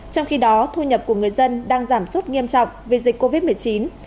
trong khi đó thu nhập của người dân đang giảm sút nghiêm trọng vì dịch covid một mươi chín